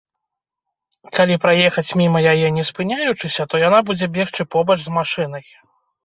Калі праехаць міма яе не спыняючыся, то яна будзе бегчы побач з машынай.